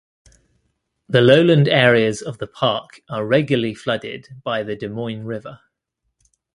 The lowland areas of the park are regularly flooded by the Des Moines River.